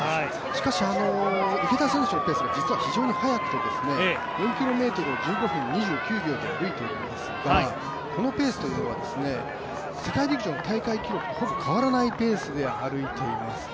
しかし池田選手のペースが、実は非常に速くてですね、４ｋｍを１５分２９秒で歩いていますがこのペースは世界陸上の大会記録とほぼ変わらないペースで歩いています。